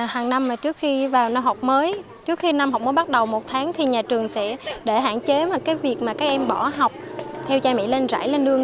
hàng năm trước khi vào năm học mới trước khi năm học mới bắt đầu một tháng thì nhà trường sẽ để hạn chế cái việc mà các em bỏ học theo chai mỹ lên rải lên đường